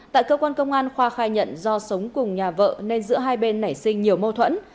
tại cơ quan công an khoa khai nhận do sống cùng nhà vợ nên giữa hai bên nảy sinh nhiều mâu thuẫn